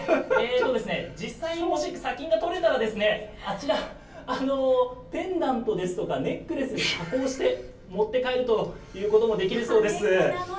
実際に砂金が採れたら、あちら、ペンダントですとかネックレスに加工して持って帰るということもできるそうです。